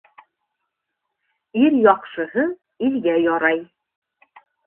Ир яҡшыһы илгә ярай.